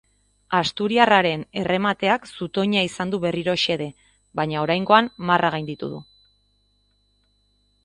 Asturiarraren erremateak zutoina izan du berriro xede, baina oraingoan marra gainditu du.